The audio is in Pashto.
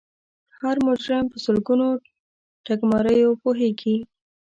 هر مجرم په سلګونو ټګماریو پوهیږي